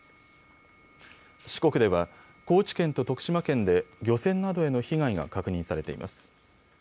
四国では高知県と徳島県で漁船などへの被害が確認されています。